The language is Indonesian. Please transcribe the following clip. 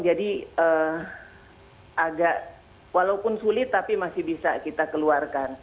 jadi agak walaupun sulit tapi masih bisa kita keluarkan